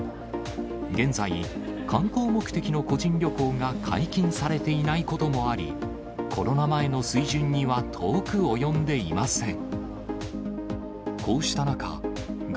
現在、観光目的の個人旅行が解禁されていないこともあり、コロナ前の水準には遠く及んでいません。